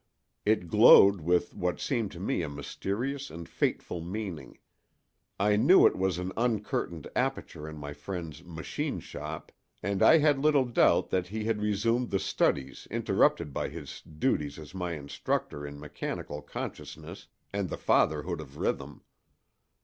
It glowed with what seemed to me a mysterious and fateful meaning. I knew it was an uncurtained aperture in my friend's "machine shop," and I had little doubt that he had resumed the studies interrupted by his duties as my instructor in mechanical consciousness and the fatherhood of Rhythm.